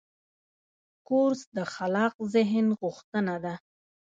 کورس د خلاق ذهن غوښتنه ده.